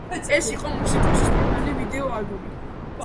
ეს იყო მუსიკოსის პირველი ვიდეო ალბომი.